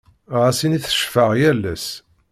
Ɣas ini teccfeɣ yal ass.